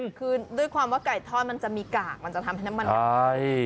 คือด้วยความว่าไก่ทอดมันจะมีกากมันจะทำให้น้ำมัน